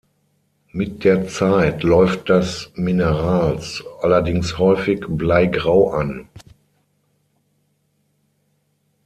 Mit der Zeit läuft das Minerals allerdings häufig bleigrau an.